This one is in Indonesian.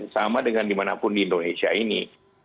sama dengan dimanapun di indonesia ini